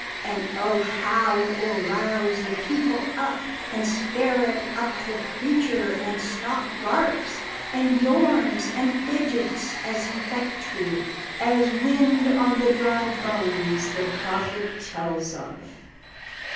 And O how it will rouze the people up And sperrit up the preacher, and stop garps And yorns and fijits as effectool As wind on the dry boans the Profit tels of.